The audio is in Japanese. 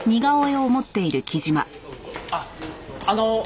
あっあの。